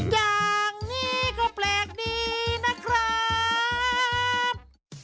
อย่างนี้ก็แปลกดีนะครับ